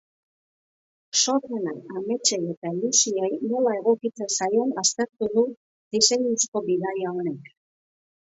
Sormena ametsei eta ilusioei nola egokitzen zaion aztertu du diseinuzko bidaia honek.